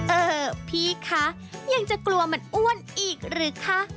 เออพี่คะยังจะกลัวมันอ้วนอีกหรือคะ